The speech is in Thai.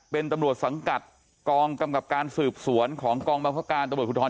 เป็นตำรวจสังกัดกองกำกับการสืบสวนของกองบังคับการตำรวจภูทร